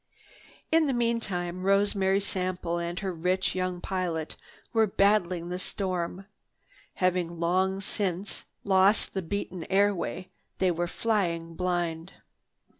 In the meantime Rosemary Sample and her rich young pilot were battling the storm. Having long since lost the beaten airway, they were flying blind.